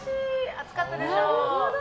暑かったでしょ。